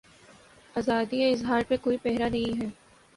آزادیء اظہارپہ کوئی پہرا نہیں ہے۔